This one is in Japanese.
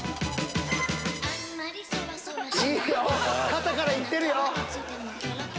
肩から行ってるよ。